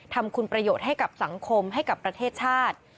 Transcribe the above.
ทำคุณประโยชน์ให้กับสังคมให้กับประเทศชาติ